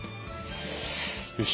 よし！